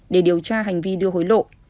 để điều tra hành vi đưa hối lộ